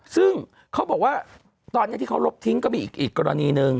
ซึ่งเขาบอกว่าตอนนี้ที่เขาลบทิ้งก็มีอีกกรณีหนึ่ง